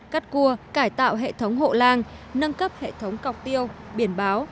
cắt cua cải tạo hệ thống hộ lang nâng cấp hệ thống cọc tiêu biển báo